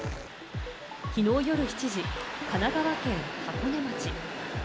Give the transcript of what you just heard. きのう夜７時、神奈川県箱根町。